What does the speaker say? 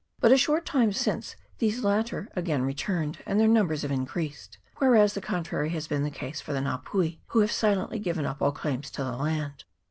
But a short time since these latter again returned, and their numbers have increased ; where as the contrary has been the case with the Nga pui, who have silently given up all claims to the land.